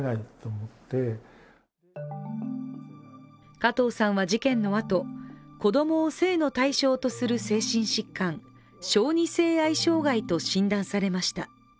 加藤さんは事件のあと、子供を性の対象とする精神疾患、小児性愛障害と診断されました。